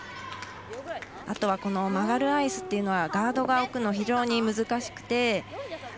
あとは、曲がるアイスというのはガード置くの、非常に難しくて。